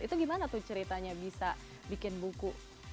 itu gimana tuh ceritanya bisa bikin buku